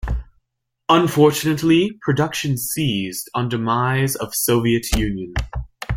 Unfortunately, production ceased on demise of Soviet Union.